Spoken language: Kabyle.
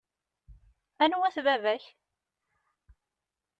Anwa-t baba-k?